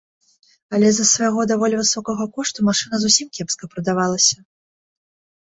Але з-за свайго даволі высокага кошту машына зусім кепска прадавалася.